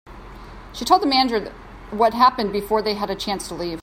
She told the manager what happened before they had a chance to leave.